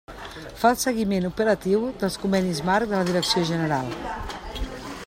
Fa el seguiment operatiu dels convenis marc de la Direcció General.